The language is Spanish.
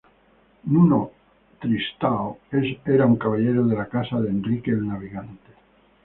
Nuno Tristão era un caballero de la casa de Enrique el Navegante.